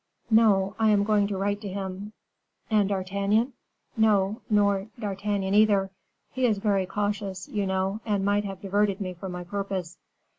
"No; I am going to write to him." "And D'Artagnan?" "No, nor D'Artagnan either. He is very cautious, you know, and might have diverted me from my purpose."